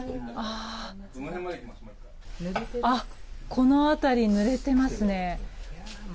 この辺りぬれていますね。